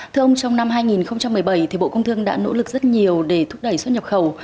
thưa ông trong năm hai nghìn một mươi bảy bộ công thương đã nỗ lực rất nhiều để thúc đẩy xuất nhập khẩu